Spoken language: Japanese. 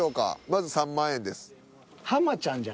まず３万円です。